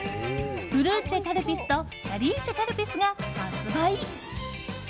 フルーチェ×カルピスとシャリーチェ×カルピスが発売。